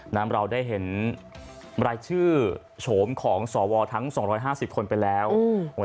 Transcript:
น้ำเราได้เห็นรายชื่อโฉมของส่อวอทั้งสองร้อยห้าสิบคนไปแล้วอืม